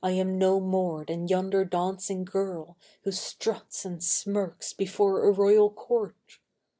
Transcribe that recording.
I am no more than yonder dancing girl Who struts and smirks before a royal court!